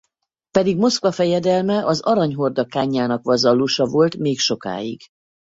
Pedig Moszkva fejedelme az Arany Horda kánjának vazallusa volt még sokáig.